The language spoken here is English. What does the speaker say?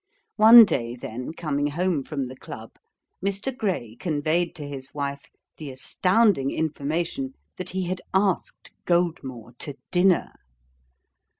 One day, then, coming home from the Club, Mr. Gray conveyed to his wife the astounding information that he had asked Goldmore to dinner.